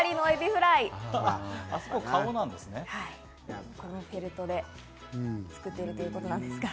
フェルトで作っているということです。